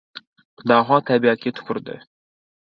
Daho tabiatga tupurdi!